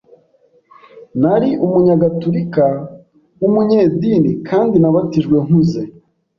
Nari umunyagatulika w’umunyedini, kandi nabatijwe nkuze